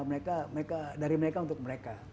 mereka dari mereka untuk mereka